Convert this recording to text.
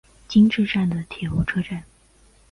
今治站的铁路车站。